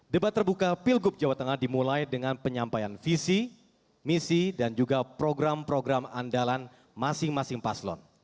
debat terbuka pilgub jawa tengah dimulai dengan penyampaian visi misi dan juga program program andalan masing masing paslon